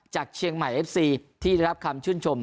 จากเชียงใหม่เอฟซีที่ได้รับคำชื่นชม